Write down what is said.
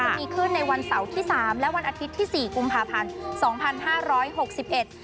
จะมีขึ้นในวันเสาร์ที่๓และวันอาทิตย์ที่๔กุมภาพันธ์๒๕๖๑